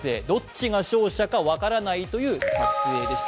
どっちが勝者か分からないという。